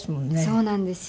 そうなんですよ。